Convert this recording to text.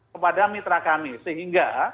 kepada mitra kami sehingga